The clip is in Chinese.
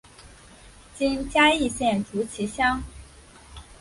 今嘉义县竹崎乡。